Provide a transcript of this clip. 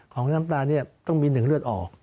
ของน้ำตาลนี้ต้องมีหนึ่งเลือดออก